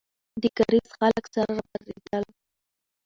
د کارېز خلک سره راپارېدل.